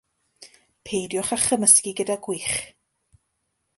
Peidiwch â chymysgu gyda gwich.